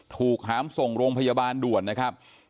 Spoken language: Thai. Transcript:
หามส่งโรงพยาบาลด่วนนะครับ